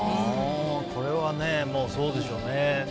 これはそうでしょうね。